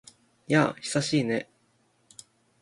やあ、久しいね。